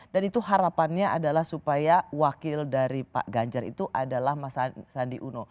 dan itu harapannya adalah supaya wakil dari pak ganjar itu adalah mas sandi uno